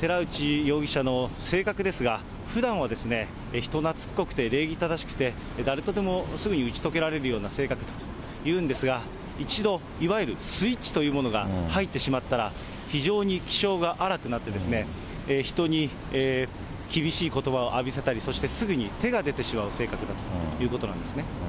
寺内容疑者の性格ですが、ふだんは人懐っこくて礼儀正しくて、誰とでもすぐ打ち解けられるような性格というんですが、一度、いわゆるスイッチというものが入ってしまったら、非常に気性が荒くなって、人に厳しいことばを浴びせたり、そしてすぐに手が出てしまう性格だということなんですね。